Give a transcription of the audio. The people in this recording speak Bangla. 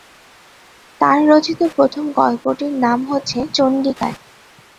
তার রচিত প্রথম গল্পটির নাম হচ্ছে চণ্ডিকায়।